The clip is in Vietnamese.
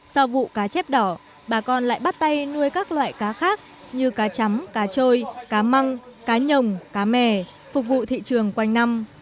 sau vụ cá chép đỏ bà con lại bắt tay nuôi các loại cá khác như cá chấm cá trôi cá măng cá nhồng cá mè phục vụ thị trường quanh năm